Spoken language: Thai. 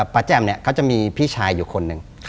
แจ่มเนี่ยเขาจะมีพี่ชายอยู่คนหนึ่ง